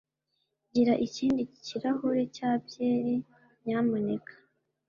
Gira ikindi kirahure cya byeri nyamuneka